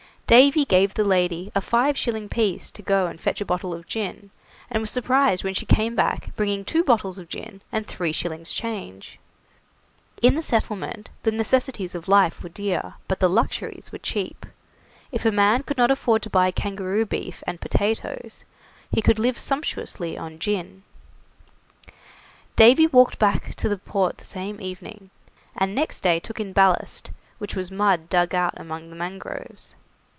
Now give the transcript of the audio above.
Davy gave the lady a five shilling piece to go and fetch a bottle of gin, and was surprised when she came back bringing two bottles of gin and 3s. change. In the settlement the necessaries of life were dear, but the luxuries were cheap. If a man could not afford to buy kangaroo beef and potatoes, he could live sumptuously on gin. Davy walked back to the port the same evening, and next day took in ballast, which was mud dug out among the mangroves.